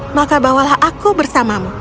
maka bawalah aku bersamamu